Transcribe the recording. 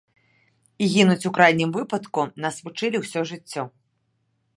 І гінуць у крайнім выпадку нас вучылі ўсё жыццё.